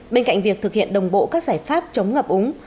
bên cạnh việc thực hiện đồng bộ các giải pháp chống ngập úng